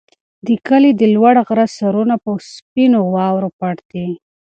د کلي د لوړ غره سرونه په سپینو واورو پټ دي.